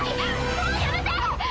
もうやめて！